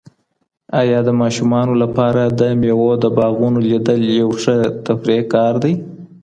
ایا د ماشومانو لپاره د مېوو د باغونو لیدل یو ښه تفریحي کار دی؟